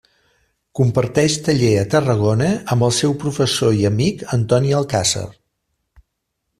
Comparteix taller a Tarragona amb el seu professor i amic Antoni Alcàsser.